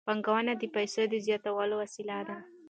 پانګونه د پیسو د زیاتولو وسیله ده.